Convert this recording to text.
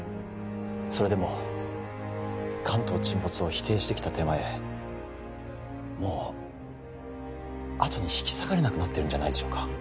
それでも関東沈没を否定してきた手前もう後に引き下がれなくなっているんじゃないでしょうか